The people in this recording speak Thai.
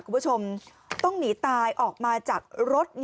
คุณผู้ชมต้องหนีตายออกมาจากรถ